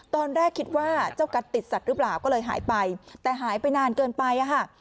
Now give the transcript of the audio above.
ตอนแรกคิดว่าเจ้ากัดติดสัตว์หรือเปล่าก็เลยหายไปแต่หายไปนานเกินไปอ่ะค่ะ